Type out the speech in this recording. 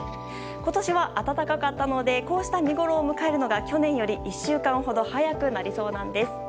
今年は暖かかったのでこうした見ごろを迎えるのが去年より１週間ほど早くなりそうなんです。